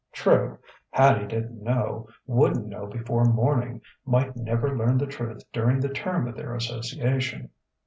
True: Hattie didn't know, wouldn't know before morning, might never learn the truth during the term of their association.